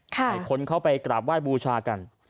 ให้คนเข้าไปกราบไหว้บูชากัน